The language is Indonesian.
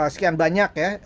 sekian banyak ya